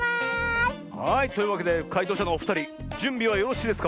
はいというわけでかいとうしゃのおふたりじゅんびはよろしいですか？